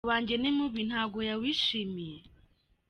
Ese umubiri wanjye ni mubi ntago yawishimiye? .